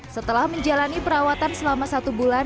setelah menjalani perawatan selama satu bulan